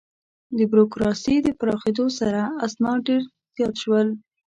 د بروکراسي د پراخېدو سره، اسناد ډېر زیات شول.